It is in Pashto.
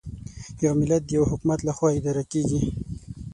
یو ملت د یوه حکومت له خوا اداره کېږي.